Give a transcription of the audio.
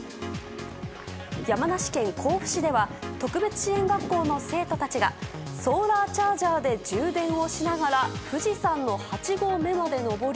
山梨県甲府市では特別支援学校の生徒たちがソーラーチャージャーで充電をしながら富士山の８合目まで登り